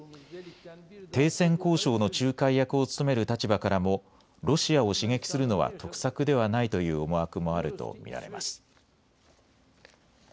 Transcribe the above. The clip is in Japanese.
停戦交渉の仲介役を務める立場からもロシアを刺激するのは得策ではないという思惑もあると見られます。